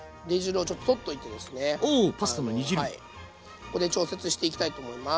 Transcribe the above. ここで調節していきたいと思います。